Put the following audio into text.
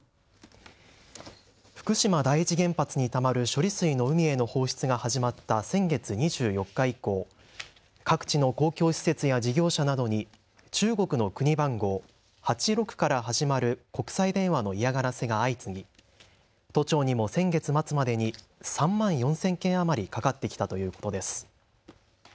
福島第一原発にたまる処理水の海への放出が始まった先月２４日以降、各地の公共施設や事業者などに中国の国番号、８６から始まる国際電話の嫌がらせが相次ぎ都庁にも先月末までに３万４０００件余りかかってきたということです。